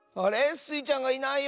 スイちゃんがいないよ！